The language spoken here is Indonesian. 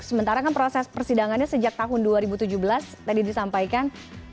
sementara kan proses persidangannya sejak tahun dua ribu tujuh belas tadi disampaikan